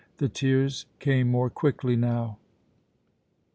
The tears came more quickly now.